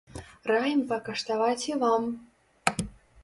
Раім пакаштаваць і вам.